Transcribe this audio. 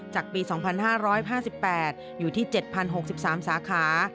จากปี๒๕๕๘อยู่ที่๗๐๖๓สาขา